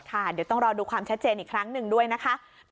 เดี๋ยวต้องรอดูความชัดเจนอีกครั้งหนึ่งด้วยนะคะ